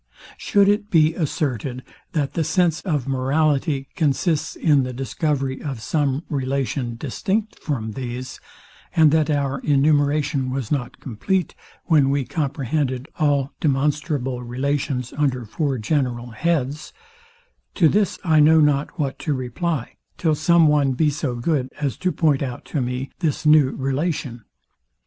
Should it be asserted, that the sense of morality consists in the discovery of some relation, distinct from these, and that our enumeration was not compleat, when we comprehended all demonstrable relations under four general heads: To this I know not what to reply, till some one be so good as to point out to me this new relation.